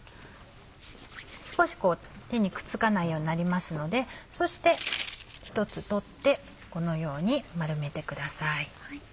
少し手にくっつかないようになりますのでそして１つ取ってこのように丸めてください。